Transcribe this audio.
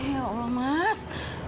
ya allah mas